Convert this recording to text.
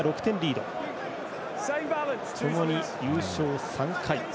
ともに優勝３回。